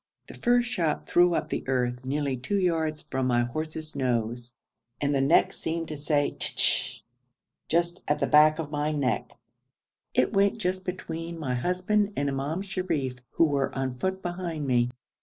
The first shot threw up the earth nearly two yards from my horse's nose, and the next seemed to say 'tshish!' just at the back of my neck. It went just between my husband and Imam Sharif, who were on foot behind me.